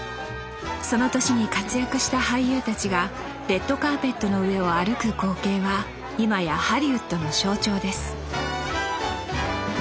その年に活躍した俳優たちがレッドカーペットの上を歩く光景はいまやハリウッドの象徴です